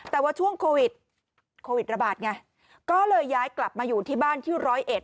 แต่ว่าช่วงโควิดโควิดระบาดไงก็เลยย้ายกลับมาอยู่ที่บ้านที่ร้อยเอ็ด